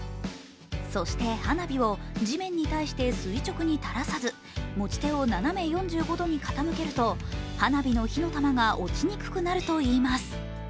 そして花火を地面に対して垂直に垂らさず持ち手を斜め４５度に傾けると花火の火の玉が落ちにくくなるといいます。